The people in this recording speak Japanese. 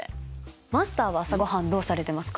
マスターは朝ごはんどうされてますか？